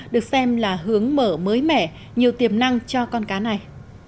được xem là hướng mở mới mẻ nhiều tiềm năng cho con cá này